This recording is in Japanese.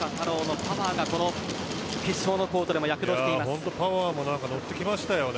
パワーも乗ってきましたよね。